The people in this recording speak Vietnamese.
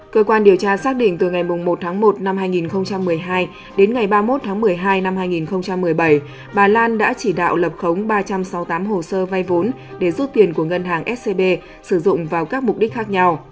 cơ quan điều tra xác định từ ngày một một hai nghìn một mươi hai đến ngày ba mươi một một mươi hai hai nghìn một mươi bảy bà lan đã chỉ đạo lập khống ba trăm sáu mươi tám hồ sơ vai vốn để giúp tiền của ngân hàng scb sử dụng vào các mục đích khác nhau